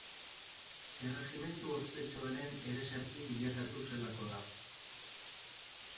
Erregimentu ospetsuaren ereserki bilakatu zelako da.